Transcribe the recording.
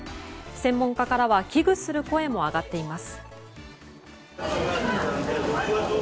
専門家からは危惧する声も上がっています。